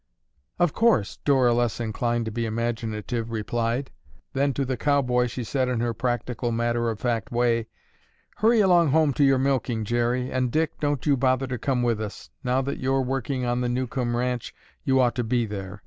"Of course," Dora, less inclined to be imaginative, replied. Then to the cowboy she said in her practical matter of fact way, "Hurry along home to your milking, Jerry, and Dick, don't you bother to come with us. Now that you're working on the Newcomb ranch you ought to be there.